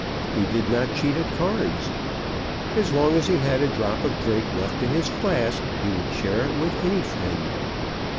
He did not cheat at cards. As long as he had a drop of drink left in his flask, he would share it with any friend.